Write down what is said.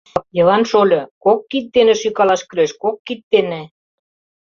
Йыван шольо, кок кид дене шӱкалаш кӱлеш, кок кид дене.